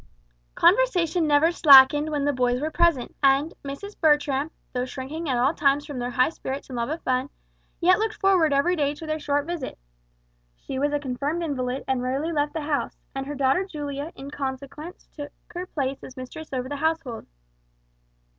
Conversation never slackened when the boys were present, and Mrs. Bertram, though shrinking at all times from their high spirits and love of fun, yet looked forward every day to their short visit. She was a confirmed invalid, and rarely left the house, and her daughter Julia in consequence took her place as mistress over the household.